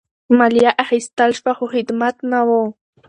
مالیه اخیستل شوه خو خدمت نه وو.